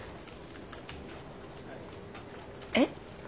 えっ？